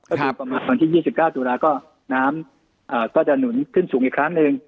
ก็คือประมาณวันที่๒๙ตุลาก็น้ำก็จะหนุนขึ้นสูงอีกครั้งหนึ่ง